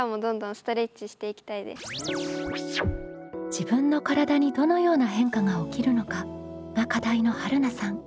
「自分の体にどのような変化が起きるのか」が課題のはるなさん。